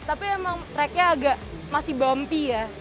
tapi emang tracknya agak masih bumpy ya